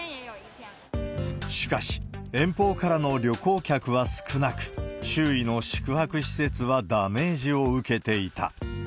しかし、遠方からの旅行客は少なく、周囲の宿泊施設はダメージを受けていた。